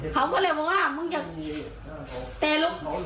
เขาก็เลยบอกว่ามึงอยากเตะลูกหัวหน้าลูกพี่เขานะ